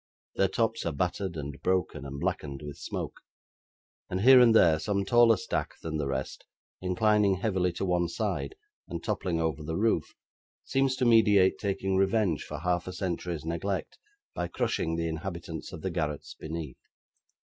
Their tops are battered, and broken, and blackened with smoke; and, here and there, some taller stack than the rest, inclining heavily to one side, and toppling over the roof, seems to meditate taking revenge for half a century's neglect, by crushing the inhabitants of the garrets beneath.